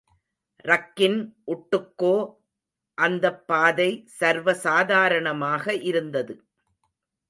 ரக்கின் உட்டுக்கோ, அந்தப் பாதை சர்வசாதாரணமாக இருந்தது.